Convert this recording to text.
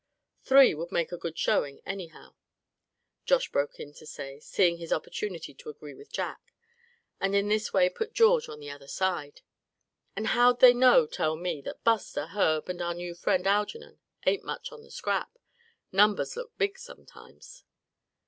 "Three would make good showing, anyhow," Josh broke in to say, seeing his opportunity to agree with Jack, and in this way put George on the other side. "And how'd they know, tell me, that Buster, Herb and our new friend, Algernon, ain't much on the scrap? Numbers look big, sometimes."